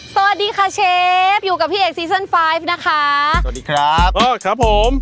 สวัสดีค่ะเชฟอยู่กับพี่เอกซีซั่นไฟล์ฟนะคะสวัสดีครับเออครับผม